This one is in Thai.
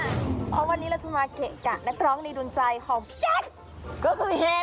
เพราะวันนี้เราจะมาเกะกะนักร้องในดวงใจของพี่แจ๊คก็คือเฮ